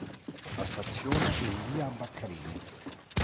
La stazione è in Via Baccarini.